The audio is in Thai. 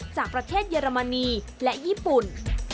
จากประเทศเยอรมนีและญี่ปุ่น